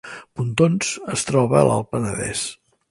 Pontons es troba a l’Alt Penedès